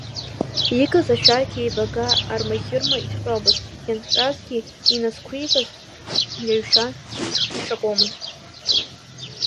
Иикыз ашәақь еибага армаӷьырма иҭҟьомызт, ианҭҟьагьы иназқәикыз иаҩшәан икашәомызт.